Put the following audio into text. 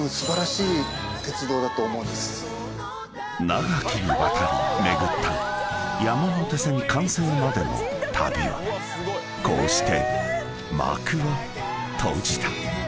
［長きにわたり巡った山手線完成までの旅はこうして幕を閉じた］